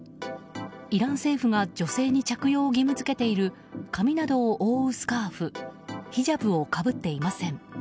イラン政府が女性に着用を義務付けている髪などを覆うスカーフヒジャブをかぶっていません。